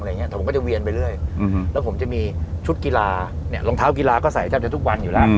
แต่ผมก็จะเวียนไปเรื่อยแล้วผมจะมีชุดกีฬาเนี่ยรองเท้ากีฬาก็ใส่แทบจะทุกวันอยู่แล้ว